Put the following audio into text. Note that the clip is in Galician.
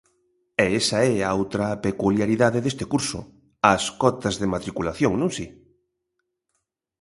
E esa é a outra peculiaridade deste curso, as cotas de matriculación, non si?